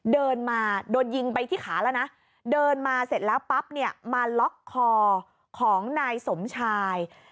เดินมาโดนยิงไปที่ขาแล้วนะเดินมาเสร็จแล้วปั๊บเนี่ยมาล็อกคอของนายสมชาย